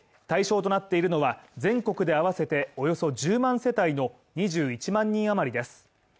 対象となっているのは全国で合わせておよそ１０万世帯の２１万人余りです。